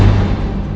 kau udah ngerti